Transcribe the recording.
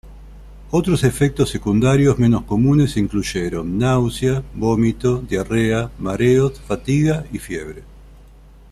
Otros efectos secundarios menos comunes incluyeron náusea, vómito, diarrea, mareos, fatiga, y fiebre.